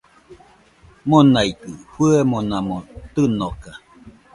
Monaigɨ fɨemonamo tɨnoka